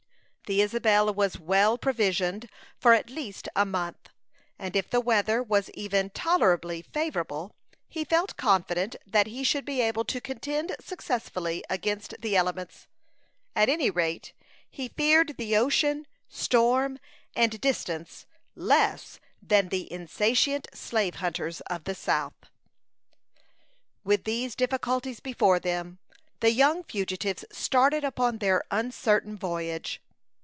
The Isabel was well provisioned for at least a month; and if the weather was even tolerably favorable, he felt confident that he should be able to contend successfully against the elements. At any rate he feared the ocean, storm, and distance less than the insatiate slave hunters of the South. With these difficulties before them, the young fugitives started upon their uncertain voyage.